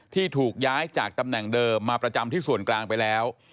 ที่ถูกย้ายจากตำแหน่งเดิมมาประจำที่ส่วนกลางไปแล้ว